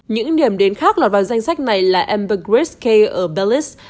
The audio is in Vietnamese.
những điểm đến khác lọt vào danh sách này là ambergris cay ở belize